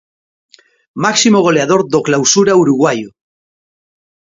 Máximo goleador do Clausura uruguaio.